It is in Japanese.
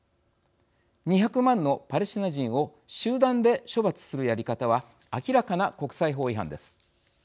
２００万のパレスチナ人を集団で処罰するやり方は明らかな国際法違反です。